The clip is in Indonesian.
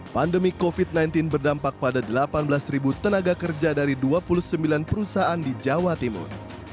pandemi covid sembilan belas berdampak pada delapan belas tenaga kerja dari dua puluh sembilan perusahaan di jawa timur